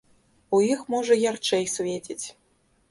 У іх, можа, ярчэй свеціць.